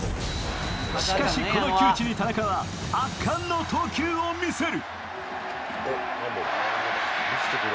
しかしこの窮地に田中は圧巻の投球を見せる。